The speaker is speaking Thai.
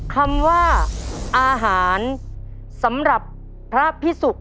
คำว่าอาหารสำหรับพระพิสุก